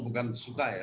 bukan suka ya